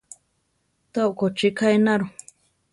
Tá okochi ká enaro.